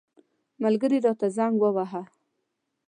ملګري راته زنګ وواهه.